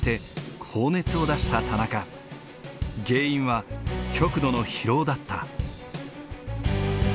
原因は極度の疲労だった。